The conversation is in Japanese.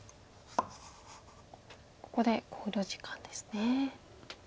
ここで考慮時間ですね。